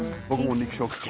肉食系。